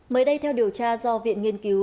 mới đây theo điều tra do viện nghiên cứu